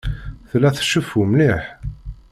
Tella tceffu mliḥ.